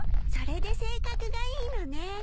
それで性格がいいのね。